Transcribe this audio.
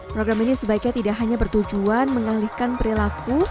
program ini sebaiknya tidak hanya bertujuan mengalihkan perilaku